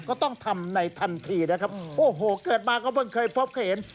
ก็ต้องทำในทันทีนะครับโอ้โหเกิดมาก็เพิ่งเคยพบเคยเห็น